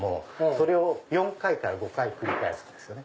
それを４回から５回繰り返すんですね。